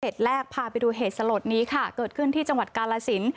แรกพาไปดูเหตุสลดนี้ค่ะเกิดขึ้นที่จังหวัดกาลสิน